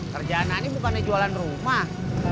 kerjaan ini bukannya jualan rumah